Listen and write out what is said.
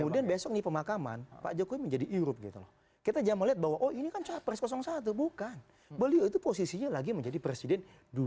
kemudian besok nih pemakaman pak jokowi menjadi irub gitu loh kita aja melihat bahwa oh ini kan pres satu bukan beliau itu posisinya lagi menjadi presiden dua ribu empat belas dua ribu sembilan belas